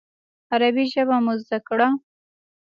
عربي ژبه مو زده کړه.